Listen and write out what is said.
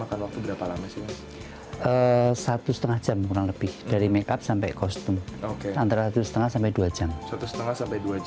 antara satu setengah sampai dua jam